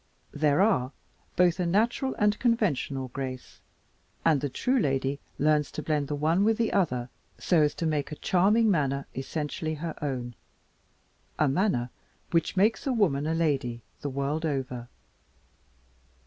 There are both a natural and a conventional grace, and the true lady learns to blend the one with the other so as to make a charming manner essentially her own a manner which makes a woman a lady the world over.